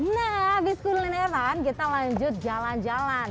nah habis kulineran kita lanjut jalan jalan